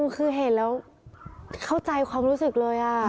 คือเห็นแล้วเข้าใจความรู้สึกเลย